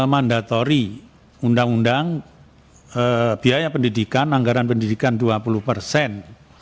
mandatori undang undang biaya pendidikan anggaran pendidikan dua puluh persen